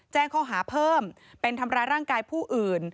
แจ้งข้อหาเพิ่มเป็นทำร้ายร่างกายผู้อื่น